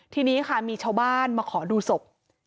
ทีนี้ค่ะมีชาวบ้านมาขอดูศพ